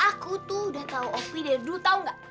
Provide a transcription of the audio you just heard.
aku tuh udah tahu opi dari dulu tahu gak